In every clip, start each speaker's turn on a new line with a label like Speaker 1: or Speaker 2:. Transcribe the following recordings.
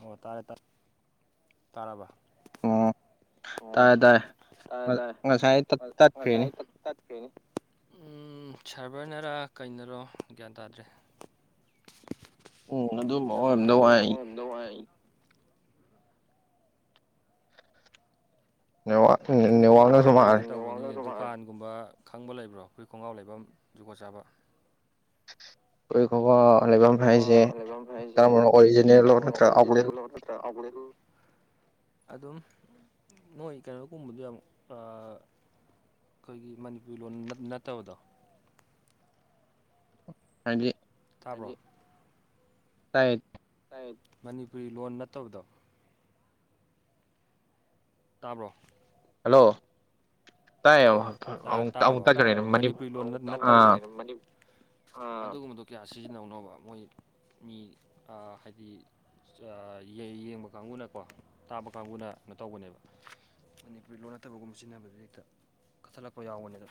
Speaker 1: ꯑꯣ ꯇꯥꯔꯦ ꯇꯥꯔꯦ ꯇꯥꯔꯕ
Speaker 2: ꯑꯣ ꯇꯥꯔꯦ ꯇꯥꯔꯦ ꯉꯁꯥꯏ ꯇꯠ ꯇꯠꯈ꯭ꯔꯤꯅꯤ
Speaker 1: ꯍꯥꯂꯣ [unintelligible] ꯎꯝ ꯁꯥꯚꯔꯅꯔꯥ ꯀꯩꯅꯅ‌ꯣ ꯒ꯭ꯌꯥꯟ ꯇꯥꯗ꯭ꯔꯦ
Speaker 2: ꯎꯝ ꯑꯗꯨꯝꯕ ꯑꯣꯏꯔꯝꯗꯧ ꯋꯥꯏ
Speaker 1: ꯋꯥꯏ
Speaker 2: ꯅꯦꯠꯋꯥꯛ ꯈꯪꯗꯦ ꯅ‌ꯦꯠꯋꯥꯛꯅꯁꯨ ꯃꯥꯜꯂ‌ꯦ
Speaker 1: ꯗꯨꯀꯥꯟꯒꯨꯝꯕ ꯈꯪꯕ ꯂꯩꯕ꯭ꯔꯣ ꯐꯨꯔꯤꯠ ꯈꯣꯡꯒ꯭ꯔꯥꯎ ꯂꯩꯐꯝ ꯖꯨꯒꯣꯠ ꯆꯥꯕ
Speaker 2: ꯐꯨꯔꯤꯠ ꯈꯣꯡꯒ꯭ꯔꯥꯎ ꯂꯩꯕꯝ ꯍꯥꯏꯁꯦ ꯀꯔꯝꯕꯅꯣ ꯑꯣꯔꯤꯖꯤꯅꯦꯜꯂꯣ ꯅꯠꯇ꯭ꯔꯥꯒꯥ [unintelligible]
Speaker 1: [unintelligible] ꯑꯗꯨꯝ ꯃꯣꯏ ꯀꯩꯅꯣꯒꯨꯝꯕꯗꯣ ꯌꯥꯝ ꯑꯥ ꯈꯣꯏꯒꯤ ꯃꯅꯤꯄꯨꯔꯤ ꯂꯣꯟ ꯅꯠꯇꯕꯗꯣ
Speaker 2: ꯍꯥꯏꯗꯤ
Speaker 1: ꯇꯥꯕ꯭ꯔꯣ
Speaker 2: ꯇꯥꯏꯌ‌ꯦ
Speaker 1: ꯃꯅꯤꯄꯨꯔꯤ ꯂꯣꯟ ꯅꯠꯇꯥꯕꯗꯣ ꯇꯥꯕ꯭ꯔꯣ
Speaker 2: ꯍꯜꯂꯣ
Speaker 1: ꯍꯜꯂꯣ ꯇꯥꯔꯕꯣ ꯃꯅꯤꯄꯨꯔꯤ ꯂꯣꯟ ꯅꯠꯇꯕꯗ‌ꯣ ꯑꯗꯨꯒꯨꯝꯕꯗꯣ ꯀꯌꯥ ꯁꯤꯖꯤꯟꯅꯧꯅꯣꯕ ꯃꯣꯏ ꯃꯤ ꯍꯥꯏꯗꯤ ꯌꯦꯡꯕ ꯀꯥꯡꯕꯨꯅꯀꯣ ꯇꯥꯕ ꯀꯥꯡꯕꯨꯅ ꯀꯩꯅꯣ ꯇꯧꯕꯅꯦꯕ ꯃꯅꯤꯄꯨꯔꯤ ꯂꯣꯟ ꯅꯠꯇꯕꯒꯨꯝꯕ ꯁꯤꯖꯤꯟꯅꯕꯗ ꯍꯦꯛꯇ ꯀꯛꯊꯠꯂꯛꯄ ꯌꯥꯎꯕꯅꯦꯗ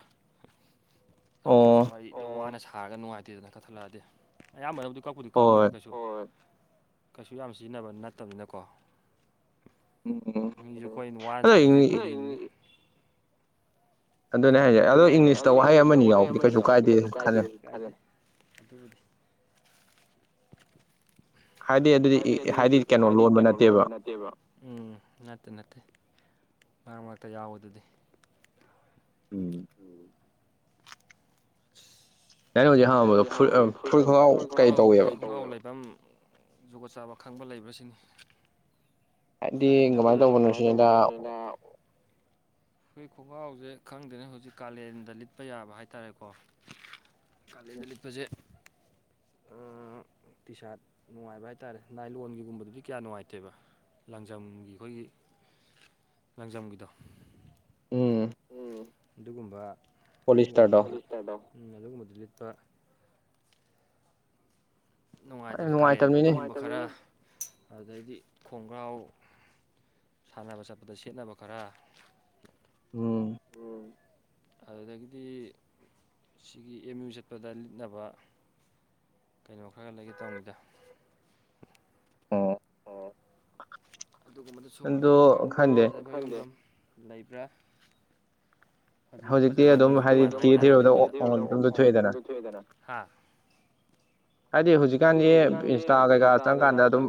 Speaker 1: ꯑꯩꯈꯣꯏꯁꯨ ꯋꯥ ꯌꯥꯝ ꯋꯥꯅ ꯁꯟ ꯊꯥꯔꯒ ꯅꯨꯡꯉꯥꯏꯇꯦꯗꯅ ꯀꯠꯊꯠꯂꯛꯑꯗꯤ ꯑꯌꯥꯝꯕꯅꯕꯨꯗꯤ ꯀꯛꯄꯨꯗꯤ ꯀꯛꯑꯝꯃꯣꯏꯗ ꯀꯩꯁꯨ ꯍ‌ꯣꯏ ꯀꯩꯁꯨ ꯌꯥꯝ ꯁꯤꯖꯤꯟꯅꯕ ꯅꯠꯇꯕꯅꯤꯅꯀꯣ ꯃꯤꯁꯨ ꯑꯩꯈꯣꯏꯅ ꯋꯥꯟ ꯁꯥꯟꯅꯩꯁꯤ ꯎ [unintelligible] ꯑꯗꯨꯅ‌ꯦ ꯍꯥꯏꯁ‌ꯦ ꯑꯗꯣ ꯏꯪꯂꯤꯁꯇ ꯋꯥꯍꯩ ꯑꯃꯅꯤ ꯌꯥꯎꯕꯗꯤ ꯀꯩꯁꯨ ꯀꯥꯏꯗꯦ ꯈꯜꯂ‌ꯦ ꯍꯥꯏꯗꯤ ꯑꯗꯨꯗꯤ ꯍꯥꯏꯗꯤ ꯀꯩꯅꯣ ꯂꯣꯟꯕ ꯅꯠꯇꯦꯕ ꯎꯝ ꯅꯠꯇꯦ ꯅꯠꯇꯦ ꯃꯔꯛ ꯃꯔꯛꯇ ꯌꯥꯎꯕꯗꯨꯗꯤ
Speaker 2: ꯎꯝ
Speaker 1: [unintelligible] ꯑꯩꯅ ꯍꯧꯖꯤꯛ ꯍꯪꯉꯝꯕꯗ‌ꯣ ꯐꯨꯔꯤꯠ ꯒ‌ꯣꯡꯒꯥꯎ ꯂꯩꯐꯝ [unintelligible] ꯖꯨꯒ‌ꯣꯠ ꯆꯥꯕ ꯈꯪꯕ ꯂꯩꯕꯔ ꯁꯤꯅꯤ ꯀꯃꯥꯏꯅ ꯇꯧꯕꯅꯣꯁꯤꯅꯤꯗ ꯐꯨꯔꯤꯠ ꯈꯣꯡꯒ꯭ꯔꯥꯎꯁꯦ ꯈꯪꯗꯦꯅ‌ꯦ ꯍꯧꯖꯤꯛ ꯀꯥꯂꯦꯟꯗ ꯂꯤꯠꯄ ꯌꯥꯕ ꯍꯥꯏꯇꯥꯔꯦꯀꯣ ꯀꯥꯂ‌ꯦꯟꯗ ꯂꯤꯠꯄꯁꯦ ꯇꯤ ꯁꯥꯔꯠ ꯅꯨꯡꯉꯥꯏꯕ ꯍꯥꯏꯇꯥꯔꯦ ꯅꯥꯏ ꯂꯣꯟꯒꯤꯒꯨꯝꯕꯗꯨꯗꯤ ꯀꯌꯥ ꯅꯨꯡꯉꯥꯏꯇꯦꯕ ꯂꯥꯡꯖꯝꯒꯤ ꯑꯩꯈꯣꯏꯒꯤ ꯂꯥꯡꯖꯝꯒꯤꯗꯣ
Speaker 2: ꯎꯝ
Speaker 1: ꯑꯗꯨꯒꯨꯝꯕ ꯑꯗꯨꯒꯨꯝꯕꯗꯨ ꯎ ꯑꯗꯨꯒꯨꯝꯕꯗꯨ ꯂꯤꯠꯄ ꯅꯨꯡꯉꯥꯏꯗꯅ ꯀꯥꯂꯦꯟꯗ ꯑꯗꯨꯒꯨꯝꯕ ꯈꯔ ꯑꯗꯨꯗꯩꯗꯤ ꯈꯣꯡꯒ꯭ꯔꯥꯎ ꯁꯥꯟꯅꯕ ꯆꯠꯄꯗ ꯁꯦꯠꯅꯕ ꯈꯔ
Speaker 2: ꯎꯝ
Speaker 1: ꯎꯝ ꯑꯗꯨꯗꯒꯤꯗꯤ ꯁꯤꯒꯤ ꯑꯦꯝ ꯌꯨ ꯆꯠꯄꯗ ꯂꯤꯠꯅꯕ ꯀꯩꯅꯣ ꯈꯔ ꯈꯔ ꯂꯩꯒꯦ ꯇꯧꯅꯤꯗ
Speaker 2: ꯑ
Speaker 1: [unintelligible] ꯑꯗꯨꯒꯨꯝꯕꯗ ꯁꯨꯝ ꯑꯈꯪꯕ ꯂꯩꯕ꯭ꯔꯥ ꯐ [unintelligible]
Speaker 2: ꯍꯥꯏꯗꯤ ꯍꯧꯖꯤꯛꯀꯥꯟꯒꯤ ꯏꯟꯁꯇꯥ ꯀꯩꯀꯥ ꯆꯪꯀꯥꯟꯗ ꯑꯗꯨꯝ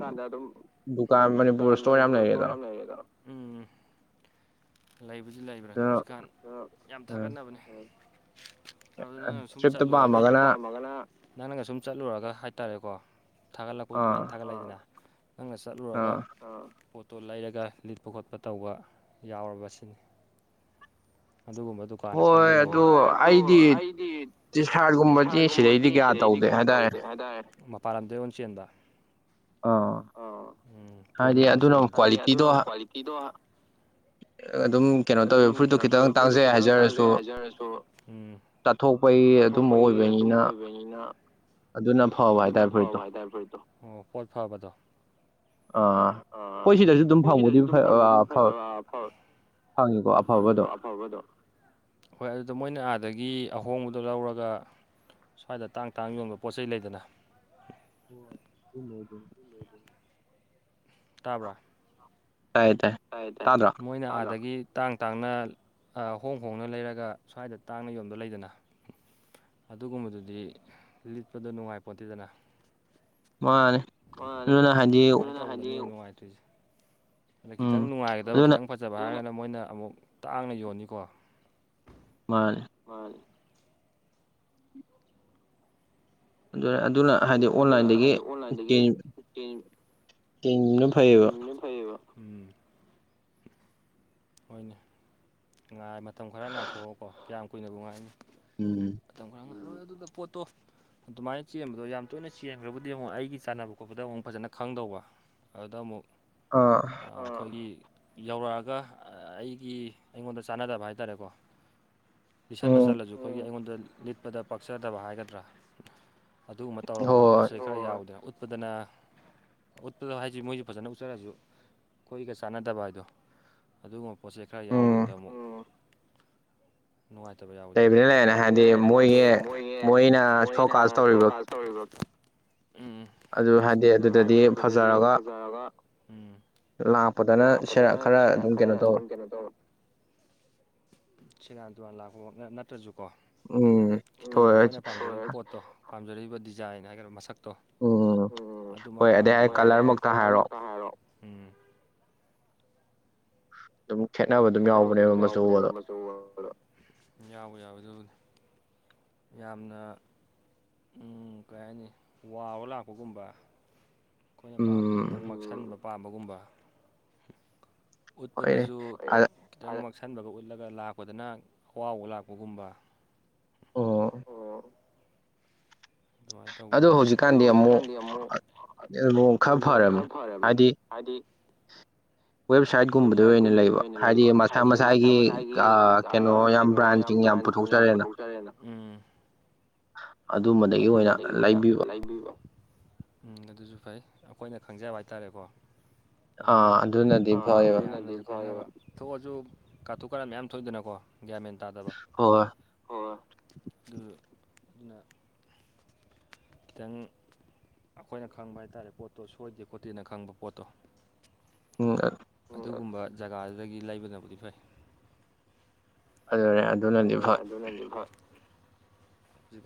Speaker 1: ꯗꯨꯀꯥꯟ ꯃꯅꯤꯄꯨꯔ ꯏꯁꯇꯣꯡ ꯌꯥꯝ ꯂꯩꯌꯦꯦꯗꯅꯣ ꯂꯩꯕꯨꯁꯨ ꯂꯩꯕ꯭ꯔꯥ ꯍꯧꯖꯤꯛꯀꯥꯟ ꯌꯥꯝ ꯊꯥꯒꯠꯅꯕꯅꯦ ꯑꯗꯨ ꯅꯪ ꯁꯨꯝ ꯆꯠꯂꯨꯔꯒ ꯄꯥꯝꯃꯒꯅ ꯅꯪꯅꯒ ꯁꯨꯝ ꯆꯠꯂꯨꯔꯒ ꯍꯥꯏꯇꯥꯔꯦꯀꯣ ꯊꯥꯒꯠꯂꯛꯄ ꯃꯌꯥꯝꯅ ꯊꯥꯠꯂꯛꯏꯗꯅ ꯅꯪꯅ ꯆꯠꯂꯨꯔꯒ ꯐꯇꯣ ꯂꯩꯔꯒ ꯂꯤꯠꯄ ꯈꯣꯠꯄ ꯇꯧꯕ ꯌꯥꯎꯔꯕ ꯑꯁꯤꯅꯤ ꯑꯗꯨꯒꯨꯝꯕ ꯗꯨꯀꯥꯟꯅ ꯈꯪꯕ ꯂꯩ ꯑꯩꯗꯤ
Speaker 2: ꯇꯤꯁ ꯍꯥꯔꯒꯨꯝꯕꯗꯤ ꯁꯤꯗꯩꯗꯤ ꯀꯌꯥ ꯇꯧꯗꯦ ꯍꯥꯏꯇꯥꯔꯦ
Speaker 1: ꯃꯄꯥꯟ ꯂꯝꯗ ꯂꯣꯟꯆꯦꯟꯗ ꯑ ꯎꯝ ꯐꯣꯟꯗ ꯇꯧꯔ ꯁꯦꯝꯕ ꯑꯗꯨꯅ ꯀ꯭ꯋꯥꯂꯤꯇꯤꯗꯣ
Speaker 2: ꯑꯗꯨꯝ ꯀꯩꯅꯣ ꯇꯧꯋꯦ ꯐꯨꯔꯤꯠꯇꯨ ꯈꯤꯇꯪ ꯇꯥꯡꯖꯩ ꯍꯥꯏꯖꯔꯁꯨ ꯆꯥꯊꯣꯛꯄꯒꯤ ꯑꯗꯨꯝꯕ ꯑꯣꯏꯕꯅꯤꯅ ꯑꯗꯨꯅ ꯐꯕ
Speaker 1: ꯑꯗꯨꯅ ꯐꯕ ꯍꯥꯏꯇꯥꯔꯦ ꯐꯠꯇꯣꯣꯠ ꯐꯕꯗꯣ
Speaker 2: ꯑꯥ ꯑꯩꯈꯣꯏ ꯁꯤꯗꯁꯨ ꯑꯗꯨꯝ ꯐꯪꯕꯨꯗꯤ ꯐꯪꯉꯤꯀꯣ ꯑꯐꯕꯗꯣ
Speaker 1: ꯍꯣꯏ ꯑꯗꯨ ꯑꯗꯣ ꯃꯣꯏꯅ ꯑꯥꯗꯒꯤ ꯑꯍꯣꯡꯕꯗꯣ ꯂꯧꯔꯒ ꯁ꯭ꯋꯥꯏꯗ ꯇꯥꯡ ꯇꯥꯡ ꯌꯣꯟꯕ ꯄꯣꯠ ꯆꯩ ꯂꯩꯗꯅ
Speaker 2: ꯍꯣꯏ ꯑꯗꯨꯝꯕ ꯑꯣꯏꯗꯨꯏꯅꯦ
Speaker 1: ꯇꯥꯕ꯭ꯔ ꯇꯥꯏ ꯇꯥꯏ ꯃꯣꯏꯅ ꯑꯥꯗꯒꯤ ꯇꯥꯡ ꯇꯥꯡꯅ ꯑꯥ ꯍꯣꯡ ꯍꯣꯡꯅ ꯂꯩꯔꯒ ꯁ꯭ꯋꯥꯏꯗ ꯇꯥꯡꯅ ꯌꯣꯟꯕ ꯂꯩꯗꯅ ꯑꯗꯨꯒꯨꯝꯕꯗꯨꯗꯤ ꯂꯤꯠꯄꯗ ꯅꯨꯡꯉꯥꯏ ꯄꯣꯠꯇꯦꯗꯅ
Speaker 2: ꯃꯥꯟꯅꯦ ꯑꯗꯨꯅ ꯍꯥꯏꯗꯤ
Speaker 1: ꯗꯨꯏꯁꯦ ꯑꯗꯩꯩ ꯈꯤꯇꯪ ꯅꯨꯡꯉꯥꯏꯒꯗꯕ ꯈꯤꯇꯪ ꯐꯖꯕ ꯍꯥꯏꯔꯒꯅ ꯃꯣꯏꯅ ꯑꯃꯨꯛ ꯇꯥꯡꯅ ꯌꯣꯅꯤꯀꯣ
Speaker 2: ꯑꯗꯨꯅ ꯍꯥꯏꯗꯤ ꯑꯣꯟꯂꯥꯏꯟꯗꯒꯤ ꯇꯤꯡꯅ ꯐꯩꯌꯦꯕ
Speaker 1: ꯎꯝ ꯍꯣꯏꯅꯦ ꯉꯥꯏ ꯃꯇꯝ ꯈꯔ ꯉꯥꯏꯊꯣꯛꯑꯀꯣ ꯀꯌꯥꯝ ꯀꯨꯏꯅꯕꯨ ꯉꯥꯏꯅꯤ
Speaker 2: ꯎꯝ
Speaker 1: ꯑꯗꯨꯗ ꯄꯣꯠꯇꯣ ꯑꯗꯨꯃꯥꯏꯅ ꯆꯦꯟꯕꯗꯣ ꯌꯥꯝ ꯇꯣꯏꯅ ꯆꯦꯟꯈ꯭ꯔꯕꯨꯗꯤ ꯑꯃꯨꯛ ꯑꯩꯒꯤ ꯆꯥꯟꯅꯕ ꯈꯣꯠꯄꯗ ꯑꯃꯨꯛ ꯐꯖꯅ ꯈꯪꯗꯧꯕ ꯑꯗꯨꯗ ꯑꯃꯨꯛ ꯑꯩꯈꯣꯏꯒꯤ ꯌꯧꯔꯛꯑꯒ ꯑꯩꯒꯤ ꯑꯩꯉꯣꯟꯗ ꯆꯥꯟꯅꯗꯕ ꯍꯥꯏꯇꯥꯔꯦꯀꯣ ꯂꯤꯁꯟꯕ ꯆꯜꯂꯁꯨ ꯈꯣꯏꯒꯤ ꯑꯩꯉꯣꯟꯗ ꯂꯤꯠꯄꯗ ꯄꯥꯛꯆꯗꯕ ꯍꯥꯏꯒꯗ꯭ꯔꯥ ꯑꯗꯨꯒꯨꯝꯕ ꯇꯧꯔꯃꯕ ꯄꯣꯠ ꯆꯩꯩ ꯈꯔ ꯌꯥꯎꯗꯅ ꯎꯠ ꯎꯗꯅ ꯎꯠꯄꯗ ꯍꯥꯏꯁꯤ ꯃꯣꯏꯁꯨ ꯐꯖꯅ ꯎꯠꯆꯔꯁꯨ ꯑꯩꯈꯣꯏꯒ ꯆꯥꯟꯅꯗꯕ ꯍꯥꯏꯗꯣ ꯑꯗꯨꯒꯨꯝꯕ ꯄꯣꯠꯁꯦ ꯈꯔ ꯌꯥꯎꯕꯗꯨꯗ ꯑꯃꯨꯛ ꯅꯨꯡꯉꯥꯏꯇꯕ ꯌꯥꯎꯋꯤꯗꯅ ꯂꯩꯕꯅꯤ ꯂꯩꯕꯅꯦ ꯍꯥꯏꯗꯤ ꯃꯣꯏꯒꯤ ꯃꯣꯏꯅ ꯁꯣꯀꯥꯁ ꯇꯧꯔꯤꯕ
Speaker 2: ꯑꯗꯨ ꯍꯥꯏꯗꯤ ꯑꯗꯨꯗꯗꯤ ꯐꯖꯔꯒ
Speaker 1: ꯎꯝ ꯂꯥꯛꯄꯗꯅ ꯈꯔ ꯑꯗꯨꯝ ꯀꯩꯅꯣ ꯇꯧꯔ ꯂꯥꯛꯄꯃꯛ ꯅꯠꯇ꯭ꯔꯁꯨ
Speaker 2: ꯎꯝ ꯍꯣꯏ
Speaker 1: ꯄꯥꯝꯖꯔꯤꯕ ꯗꯤꯖꯥꯏꯟ ꯍꯥꯏꯒꯗ꯭ꯔꯥ ꯃꯁꯛ ꯇꯣ ꯎꯝ ꯑꯗꯨꯃꯛ ꯐꯪꯗꯕ ꯍꯣꯏ ꯑꯗꯩ ꯀꯂꯔ ꯃꯛꯇ ꯍꯥꯏꯔꯣ ꯈꯦꯅꯕ ꯑꯗꯨꯝ ꯌꯥꯎꯕꯅꯦꯕ ꯃꯆꯨꯕꯗ ꯌꯥꯎꯕꯅꯦ ꯌꯥꯎꯕꯅꯦ ꯑꯗꯨꯕꯨꯗꯤ ꯌꯥꯝꯅ ꯎꯝ ꯀꯩ ꯍꯥꯏꯅꯤ ꯋꯥꯎꯔ ꯂꯥꯛꯄꯒꯨꯝꯕ ꯈꯣꯏꯅ ꯄꯥꯝꯃꯤꯗꯨꯅ ꯈꯤꯇꯪ ꯃꯛꯁꯟꯕ ꯄꯥꯝꯕꯒꯨꯝꯕ ꯎꯠꯄꯗꯁꯨ ꯈꯤꯇꯪ ꯁꯟꯕꯒ ꯎꯠꯂꯒ ꯂꯥꯛꯄꯗꯅ ꯑꯋꯥꯎꯕ ꯂꯥꯛꯄꯒꯨꯝꯕ ꯑꯣ ꯑꯗꯨꯃꯥꯏꯅ ꯇꯧꯕꯗꯨꯅꯤ ꯑꯗꯨ ꯍꯧꯖꯤꯛꯀꯥꯟꯗꯤ ꯑꯃꯨꯛ
Speaker 2: ꯈꯔ ꯐꯔꯕꯅꯤ ꯍꯥꯏꯗꯤ ꯋꯦꯕꯁꯥꯏꯠꯀꯨꯝꯕꯗꯩꯩ ꯑꯣꯏꯅ ꯂꯩꯕ ꯍꯥꯏꯗꯤ ꯃꯁꯥ ꯃꯁꯥꯒꯤ ꯀꯩꯅꯣ ꯌꯥꯝ ꯕ꯭ꯔꯥꯟꯁꯤꯡ ꯌꯥꯝ
Speaker 1: ꯁꯤꯡ ꯌꯥꯝ ꯄꯨꯊꯣꯛꯆꯔꯦꯅ
Speaker 2: ꯑꯗꯨꯝꯕꯗꯒꯤ ꯑꯣꯏꯅ ꯂꯩꯕꯤꯕ
Speaker 1: ꯎꯝ ꯑꯗꯨꯁꯨ ꯐꯩ ꯑꯈꯣꯏꯅ ꯈꯪꯖꯕ ꯍꯥꯏꯇꯥꯥꯔꯦꯀꯣ ꯑꯗꯨꯅ ꯑꯗꯨꯅꯗꯤ ꯐꯩꯑꯕ ꯊꯣꯛꯑꯁꯨ ꯀꯥꯊꯣꯛ ꯀꯥꯔꯟ ꯃꯌꯥꯝ ꯊꯣꯛꯏꯗꯅꯀꯣ ꯒ꯭ꯌꯥꯃꯦꯟ ꯇꯥꯗꯕ ꯍꯣꯏ ꯑꯗꯨ ꯑꯗꯨꯅ ꯈꯤꯇꯪ ꯑꯈꯣꯏꯅ ꯈꯪꯕ ꯍꯥꯏꯇꯥꯥꯔꯦ ꯄꯣꯠꯇꯣ ꯁꯣꯏꯗꯦ ꯈꯣꯠꯇꯦꯅ ꯈꯪꯕ ꯄꯣꯠꯇꯣ ꯑꯗꯨꯒꯨꯝꯕ ꯖꯒꯥꯗꯨꯗꯒꯤ ꯂꯩꯕꯅꯕꯨꯗꯤ ꯐꯩ
Speaker 2: ꯑꯗꯨꯅꯦ ꯑꯗꯨꯅꯗꯤ ꯐꯩ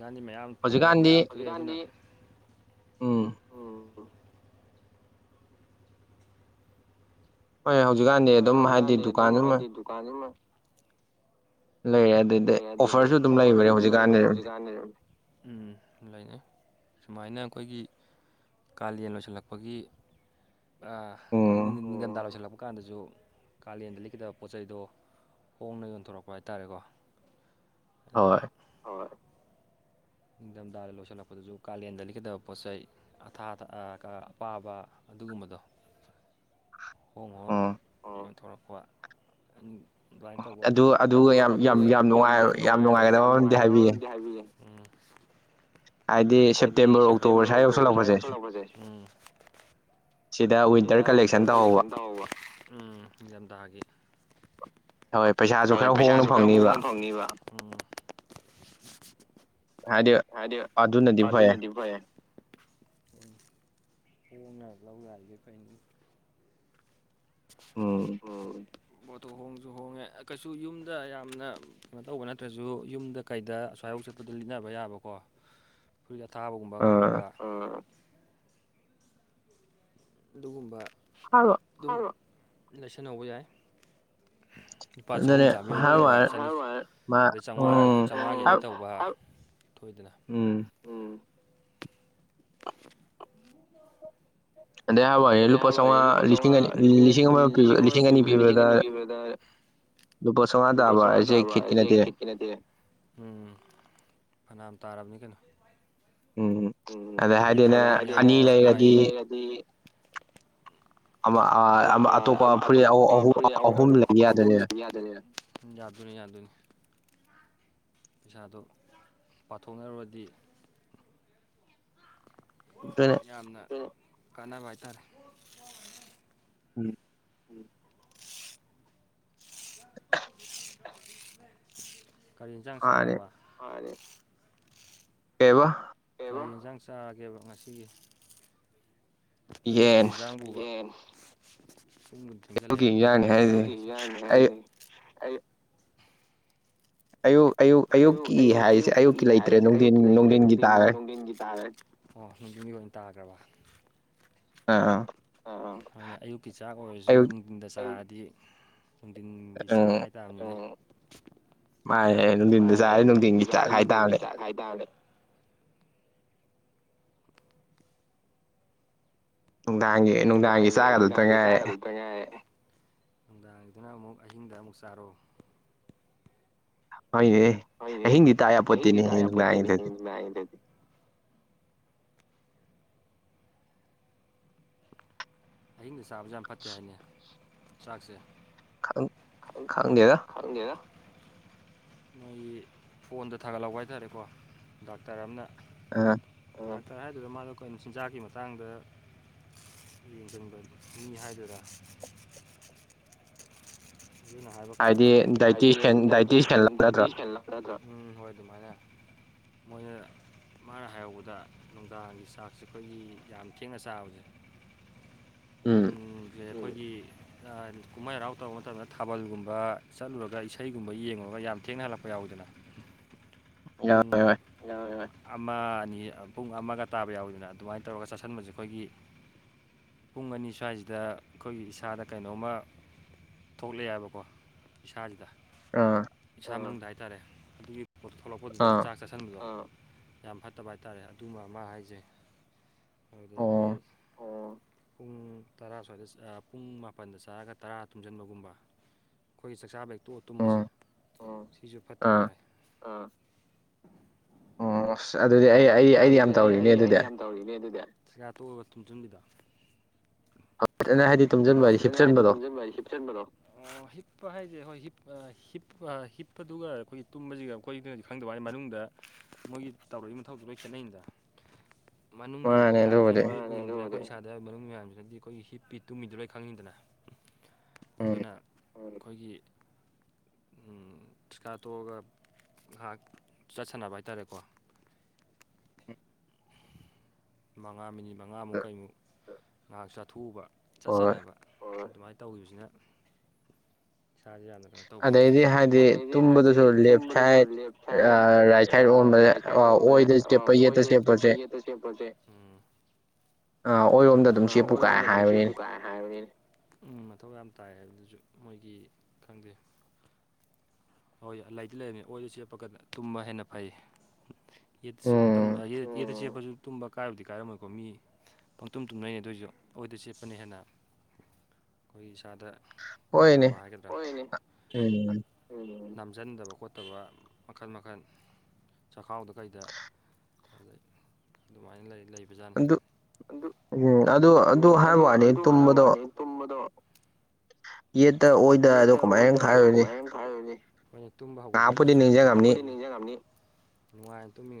Speaker 1: ꯏꯅꯤ ꯃꯌꯥꯝ ꯊꯣꯛꯑꯣ ꯃꯌꯥꯝ ꯊꯣꯛꯑ ꯎꯝ
Speaker 2: ꯍꯣꯏ ꯍꯧꯖꯤꯛꯀꯥꯟꯗꯤ ꯑꯗꯨꯝ ꯍꯥꯏꯗꯤ ꯗꯨꯀꯥꯟꯃ
Speaker 1: ꯂꯩꯔꯦ ꯑꯗꯨꯗꯤ ꯑꯣꯐꯔꯁꯨ ꯑꯗꯨꯝ ꯂꯩꯕꯅꯦ ꯍꯧꯖꯤꯛꯀꯥꯟ ꯎꯝ ꯂꯩ ꯁꯨꯃꯥꯏꯅ ꯑꯩꯈꯣꯏꯒꯤ ꯀꯥꯂꯦꯟ ꯂꯣꯏꯁꯤꯜꯂꯛꯄꯒꯤ ꯑꯩꯈꯣꯏ ꯅꯤꯡꯊꯝꯗꯥ ꯂꯣꯏꯁꯤꯜꯂꯛꯄ ꯀꯥꯟꯗꯁꯨ ꯀꯥꯂꯦꯟꯗ ꯂꯤꯠꯀꯗꯕ ꯄꯣꯠ ꯆꯩꯗꯣ ꯍꯣꯡꯅ ꯌꯣꯟꯊꯣꯔꯛꯄ ꯍꯥꯏꯇꯥꯔꯦꯀꯣ
Speaker 2: ꯍꯣꯏ
Speaker 1: ꯅꯤꯡꯊꯝꯊꯥꯗ ꯂꯣꯏꯁꯤꯜꯂꯛꯄꯗꯁꯨ ꯀꯥꯂꯦꯟꯗ ꯂꯤꯈꯤꯗꯕ ꯄꯣꯠ ꯆꯩ ꯑꯊꯥ ꯑꯄꯥꯕ ꯑꯗꯨꯒꯨꯝꯕꯗꯣ ꯍꯣꯡ ꯍꯣꯡ ꯂ ꯊꯣꯔꯛꯄ ꯑꯗꯨꯃꯥꯏꯅ ꯇꯧꯕ ꯑꯗꯨ ꯌꯥꯝ ꯌꯥꯝ ꯌꯥꯝꯅꯨꯡ ꯌꯥꯝ ꯅꯨꯡꯉꯥꯏꯒꯗꯕ ꯃꯔꯝꯗꯤ ꯍꯥꯏꯕꯤꯒꯦ ꯍꯥꯏꯗꯤ ꯁꯦꯞꯇꯦꯝꯕꯔ ꯑꯣꯛꯇꯣꯕꯔ ꯁ꯭ꯋꯥꯏ ꯌꯧꯁꯜꯂꯛꯄꯁꯦ ꯁꯤꯗ ꯋꯤꯟꯇꯔ ꯀꯂꯦꯛꯁꯟ ꯇꯧꯍꯧꯕ ꯎꯝ ꯅꯤꯡꯊꯝꯊꯥꯒꯤ
Speaker 2: ꯍꯣꯏ ꯄꯩꯁꯥꯁꯨ ꯈꯔ ꯍꯣꯡꯅ ꯐꯪꯅꯤꯕ ꯍꯥꯏꯗꯤ ꯑꯗꯨꯅꯗꯤ ꯐꯩ
Speaker 1: ꯍꯣꯡꯅꯔꯒ ꯂꯧ ꯌꯥ ꯍꯥꯏꯒꯦ ꯀꯩꯅꯤ ꯑꯣꯝ ꯄꯣꯠꯇꯣ ꯍꯣꯡꯁꯨ ꯍꯣꯡꯉꯦ ꯀꯩꯁꯨ ꯌꯨꯝꯗ ꯌꯥꯝꯅ ꯀꯩꯅꯣ ꯇꯧꯕ ꯅꯠꯇ꯭ꯔꯁꯨ ꯌꯨꯝꯗ ꯀꯩꯗ ꯑꯁ꯭ꯏꯌꯧ ꯆꯠꯄꯗ ꯂꯤꯠꯅꯕ ꯌꯥꯕꯀꯣ ꯐꯨꯔꯤꯠ ꯑꯊꯥꯕꯒꯨꯝꯕ ꯀꯩꯒꯨꯝꯕ ꯑꯗꯨꯒꯨꯝꯕ ꯑꯗꯨ ꯅꯁꯤꯟꯍꯧꯕ ꯌꯥꯏ ꯂꯨꯄꯥ ꯆꯍꯨꯝ ꯆꯥꯝꯃꯔꯤꯃꯨꯛꯕ ꯑꯗꯩꯝꯉꯥ ꯆꯥꯝꯃꯉꯥꯒꯤꯅꯤ ꯇꯧꯕ ꯊꯣꯏꯗꯅ
Speaker 2: ꯑꯗꯩ ꯑꯍꯕꯩꯅ ꯂꯨꯄꯥ ꯆꯥꯝꯃꯉꯥ ꯂꯤꯁꯤꯡ ꯂꯤꯁꯤꯡ ꯑꯃ ꯂꯤꯁꯤꯡ ꯑꯅꯤ ꯄꯤꯕꯗ
Speaker 1: ꯄꯁꯗꯕꯁꯦ ꯈꯦꯇꯅꯇꯅꯦ ꯐꯅꯥꯝ ꯇꯥꯔꯕꯅꯤ ꯀꯩꯅꯣ ꯎꯝꯅꯤ ꯂꯩꯗꯤ ꯑꯇꯣꯞꯄ ꯐꯨꯔꯤ ꯑꯍꯨꯝ ꯌꯥꯗ ꯑꯗꯨꯅꯤ ꯄꯩꯁꯥꯗꯨ ꯄꯥꯊꯣꯛꯅꯔꯨꯔꯗꯤ ꯌꯥꯝꯅ ꯀꯥꯟꯅꯕ ꯍꯥꯏꯇꯥꯔꯦ ꯎꯝ ꯀꯒꯥꯔꯤ ꯌꯦꯟꯁꯥꯡ ꯆꯥꯔꯕ
Speaker 2: ꯀ
Speaker 1: ꯏꯟꯁꯥꯡ ꯆꯥꯒꯦꯕ ꯉꯁꯤꯒꯤ ꯑꯌꯨꯛꯀꯤ ꯌꯦꯟꯖꯥꯡꯕꯨ ꯑ ꯆꯥꯡ ꯆ
Speaker 2: ꯑꯌꯨꯛ ꯑꯌꯨꯛ ꯑꯌꯨꯛꯀꯤ ꯍꯥꯏꯔꯤꯁꯦ ꯑꯌꯨꯛꯀꯤ ꯂꯩꯇ꯭ꯔꯦ ꯅꯨꯡꯊꯤꯟ ꯅꯨꯡꯙꯤꯟꯒꯤ ꯇꯥꯔꯦ
Speaker 1: ꯑꯣ ꯅꯨꯡꯊꯤꯟꯒꯤ ꯑꯣꯏꯅ ꯇꯥꯈ꯭ꯔꯕ
Speaker 2: ꯑ
Speaker 1: ꯑꯌꯨꯛꯀꯤ ꯆꯥꯛ ꯑꯣꯏꯔꯁꯨ ꯅꯨꯡꯊꯤꯟꯗ ꯆꯥꯔꯗꯤ ꯅꯨꯡꯊꯤꯟꯒꯤ ꯆꯥꯛ ꯍꯥꯏꯇꯥꯔꯅꯦ
Speaker 2: ꯃꯥꯥꯏ ꯅꯨꯡꯊꯤꯟꯗ ꯆꯥꯔꯦ ꯅꯨꯡꯊꯤꯟꯒꯤ ꯆꯥꯛ ꯍꯥꯏꯇꯥꯔꯅꯦ ꯅꯨꯡꯗꯥꯡꯒꯤ ꯅꯨꯡꯗꯥꯡꯒꯤ ꯆꯥꯒꯗ ꯇ ꯉꯥꯏ
Speaker 1: ꯅꯨꯡꯗꯥꯡꯒꯤꯗꯨꯅ ꯑꯃꯨꯛ ꯑꯍꯤꯡꯗ ꯑꯃꯨꯛ ꯆꯥꯔꯣ
Speaker 2: ꯍꯣꯏꯅꯦ ꯑꯍꯤꯡꯗꯤ ꯇꯥꯛꯦꯄꯣꯠꯇꯤꯅꯦ ꯍ ꯉꯥꯏꯏꯗꯗꯤ
Speaker 1: ꯑꯍꯤꯡꯗ ꯆꯥꯕꯁ ꯌꯥꯝ ꯐꯠꯇꯦ ꯍꯥꯏꯅꯤ ꯆꯥꯛꯁꯦ
Speaker 2: ꯈꯪ ꯈꯪꯗꯒ
Speaker 1: ꯅꯣꯏꯒꯤ ꯐꯣꯟꯗ ꯊꯥꯒꯠꯍꯧꯕ ꯍꯥꯏꯇꯥꯔꯦꯀꯣ ꯗꯥꯛꯇꯔ ꯑꯃꯅ
Speaker 2: ꯑꯥ
Speaker 1: ꯇ ꯍꯥꯏꯗꯨꯗ ꯃꯥꯅ ꯀꯩꯅꯣ ꯆꯤꯟꯖꯥꯛꯀꯤ ꯃꯇꯥꯡꯗ ꯌꯦꯡꯖꯪꯕ ꯃꯤ ꯍꯥꯏꯗꯣꯏꯔꯥ ꯁꯅ ꯍꯥꯏꯕ ꯀꯥꯟꯗ ꯑꯩꯈꯣꯏꯒꯤ ꯍꯥꯏꯗꯤ ꯗꯥꯏ ꯗꯥꯏꯇꯌꯥꯟ ꯂꯥꯛꯀꯗ꯭ꯔꯥ ꯎꯝ ꯍꯣꯏ ꯑꯗꯨꯃꯥꯏꯅ ꯃꯣꯏꯅ ꯃꯥꯅ ꯍꯥꯏꯍꯧꯕꯗ ꯅꯨꯡꯗꯥꯡꯒꯤ ꯆꯥꯛꯁꯦ ꯑꯩꯈꯣꯏꯒꯤ ꯌꯥꯝ ꯊꯦꯡꯅ ꯆꯥꯕꯁꯦ ꯑꯩꯈꯣꯏꯒꯤ ꯀꯨꯝꯍꯥꯏ ꯍꯔꯥꯎ ꯇꯧꯕ ꯃꯇꯝꯗ ꯊꯥꯕꯜꯒꯨꯝꯕ ꯆꯠꯂꯨꯔꯒ ꯏꯁꯩꯒꯨꯝꯕ ꯌꯦꯡꯉꯨꯔꯒ ꯌꯥꯝ ꯊꯦꯡꯅ ꯍꯜꯂꯛꯄ ꯌꯥꯎꯗꯅ ꯄꯨꯡ ꯌꯥꯔꯣꯏ ꯌꯥꯔꯣꯏ ꯑꯃ ꯑꯅꯤ ꯄꯨꯡ ꯑꯃꯒ ꯇꯥꯕ ꯌꯥꯎꯋꯤꯗꯅ ꯑꯗꯨꯃꯥꯏꯅ ꯇꯧꯔꯒ ꯆꯠꯥꯁꯟꯕꯁꯦ ꯑꯩꯈꯣꯏꯒꯤ ꯄꯨꯡ ꯑꯅꯤ ꯁ꯭ꯋꯥꯏꯁꯤꯗ ꯑꯩꯈꯣꯏꯒꯤ ꯏꯁꯥꯗ ꯀꯩꯅꯣꯝꯃ ꯊꯣꯛꯂꯛꯑꯦꯕꯀꯣ ꯏꯁꯥꯁꯤꯗ
Speaker 2: ꯑꯥ
Speaker 1: ꯆꯥꯡ ꯃꯅꯨꯡꯗꯗ ꯍꯥꯏꯇꯥꯔꯦ ꯑꯗꯨꯒꯤ ꯄꯣꯠꯇꯣ ꯊꯣꯛꯂꯛꯄꯗꯨꯗ ꯆꯥꯛ ꯆꯥꯁꯤꯟꯕꯗꯣ ꯌꯥꯝ ꯐꯠꯇꯕ ꯍꯥꯏꯇꯥꯔꯦ ꯑꯗꯨꯃ ꯑꯃ ꯍꯥꯏꯖꯩ ꯑꯗꯨꯗꯒꯤ ꯄꯨꯡ ꯇꯔꯥ ꯁ꯭ꯋꯥꯏꯗ ꯄꯨꯡ ꯃꯥꯄꯟꯗ ꯆꯥꯔꯒ ꯇ [unintelligible] ꯨꯝꯕ ꯑꯩꯈꯣꯏꯒꯤ ꯆꯥꯛꯆꯥꯕꯦꯛꯇꯣ ꯇꯨꯝꯕꯁꯦ ꯁꯤꯁꯨ ꯐꯠꯇꯦꯅ ꯍꯥꯏ
Speaker 2: ꯑꯣ ꯑꯁ ꯑꯗꯨꯗꯤ ꯑꯩ ꯑꯩ ꯑꯩꯗꯤ ꯌꯥꯝ ꯇꯧꯔꯤꯅꯦ ꯑꯗꯨꯗꯤ
Speaker 1: ꯆꯀꯥ ꯇꯣꯛꯑꯒ ꯊꯨꯝꯁꯤꯟꯕꯤꯗ
Speaker 2: ꯑꯅ ꯍꯥꯏꯗꯤ ꯇꯨꯝꯁꯤꯟꯕ ꯍꯥꯏꯗꯤ ꯍꯤꯞꯆꯟꯕꯗꯣ
Speaker 1: ꯗꯣ ꯍꯤꯞꯄ ꯍꯥꯏꯁꯦ ꯍꯣꯏ ꯍꯤꯞ ꯍꯤꯞ ꯍꯤꯞꯄꯗꯨꯒ ꯑꯩꯈꯣꯏꯒꯤ ꯇꯨꯝꯕꯁꯤꯒ ꯑꯩꯈꯣꯏ ꯑꯩ ꯍꯧꯖꯤ ꯈꯪꯗꯕ ꯃꯅꯨꯡꯗ ꯃꯣꯏꯒꯤ ꯇꯧꯔꯛꯏꯕ ꯃꯊꯧꯁ ꯂꯣꯏ ꯈꯦꯠꯅꯩꯅꯤꯗ ꯃꯅꯨꯡꯒꯤ ꯃꯌꯥꯝꯁꯤꯅ ꯏꯁꯥꯗꯕ ꯃꯅꯨꯡ ꯃꯌꯥꯝꯁꯤꯅꯗꯤ ꯑꯩꯈꯣꯏꯒꯤ ꯍꯤꯞꯄꯤ ꯇꯨꯝꯃꯤꯗꯨ ꯂꯣꯏ ꯈꯪꯅꯤꯡꯤꯗꯅ ꯑꯗꯨꯅ ꯑꯩꯈꯣꯏꯒꯤ ꯊꯤꯀꯥ ꯇꯣꯛꯑꯒ ꯉꯥꯏꯍꯥꯛ ꯆꯠꯁꯟꯅꯅꯕ ꯍꯥꯏꯇꯥꯥꯔꯦꯀꯣ [unintelligible] ꯃꯉꯥ ꯃꯤꯅꯤꯠ ꯃꯉꯥꯃꯨꯛ ꯀꯩꯃꯨꯛ ꯉꯥꯏꯍꯥꯛ ꯆꯠꯊꯣꯛꯎꯕ ꯆꯠꯆꯅꯕ ꯑꯗꯨꯃꯥꯏꯅ ꯇꯧꯈꯤꯕꯁꯤꯅ ꯏꯁꯥꯥꯁ ꯌꯥꯅ
Speaker 2: ꯑꯗꯩꯗꯤ ꯍꯥꯏꯗꯤ ꯇꯨꯝꯕꯗꯨꯁꯨ ꯂꯦꯐ ꯁꯥꯏꯠ ꯔꯥꯏꯠ ꯁꯥꯏꯠ ꯑꯣꯟꯕꯗ
Speaker 1: ꯑꯣꯏꯗ ꯆꯄ ꯆꯦꯄꯁꯦ ꯍꯣꯏ ꯑꯗꯨ ꯃꯣꯏꯔꯣꯝꯗ ꯑꯗꯨꯝ ꯆꯦꯄꯨ ꯀꯥꯏꯦ ꯍꯥꯏꯕꯅꯤꯅꯦ ꯎꯝ ꯃꯊꯧ ꯌꯥꯝ ꯇꯥꯏ ꯍꯥꯏ ꯃꯣꯏꯒꯤ ꯈꯪꯗꯦ ꯍꯣꯏ ꯂꯩꯇ ꯂꯩꯔꯝꯅꯤ ꯑꯣꯏꯁꯨ ꯆꯦꯞꯄꯒ ꯇꯨꯝꯕ ꯍꯦꯟꯅ ꯐꯩ ꯌꯦꯠꯇꯁꯨ ꯌꯦꯠꯇ ꯁꯦꯠꯄꯁꯨ ꯇꯨꯝꯕ ꯀꯥꯏꯔꯨꯗꯤ ꯀꯥꯏꯔꯝꯃꯣꯏꯀꯣ ꯃꯤ ꯄꯪꯇꯨꯝ ꯇꯨꯝꯅꯩꯅꯤ ꯑꯗꯨꯑꯣꯏꯁꯨ ꯑꯣꯏꯗ ꯆꯦꯠꯄꯅꯤ ꯍꯦꯟꯅ ꯑꯩꯈꯣꯏꯒꯤ ꯏꯁꯥꯗ ꯀꯅꯥꯕꯗ ꯍꯥꯞꯆꯟꯗꯕ ꯈꯣꯠꯇꯕ ꯃꯈꯟ ꯃꯈꯜ ꯆꯈꯥꯎꯗ ꯀꯩꯗ ꯑꯗꯨꯩ ꯑꯗꯨꯃꯥꯏꯅ ꯂꯩꯕꯖꯥꯠꯅꯤ
Speaker 2: ꯎꯝ ꯑꯗꯨ ꯑꯗꯨ ꯍꯥꯏꯕ ꯋꯥꯅꯤ ꯇꯨꯝꯕꯗꯣ
Speaker 1: ꯗꯣ ꯌꯦꯠꯇ ꯑꯣꯏꯗꯗꯣ ꯀꯃꯥꯏꯅ ꯈꯅꯤ ꯍ ꯀꯩꯄꯨꯗꯤ ꯅꯤꯡꯁꯤꯡꯉꯝꯅꯤ ꯅꯨꯡꯉꯥꯏꯇꯃꯤ